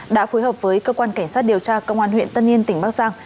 đã phối hợp với cơ quan cảnh sát điều tra công an huyện tân yên tỉnh bắc giang